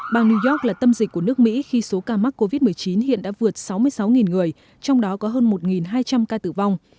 bang new york là tâm dịch của nước mỹ khi số ca mắc covid một mươi chín hiện đã vượt sáu mươi sáu người trong đó có hơn một hai trăm linh ca tử vong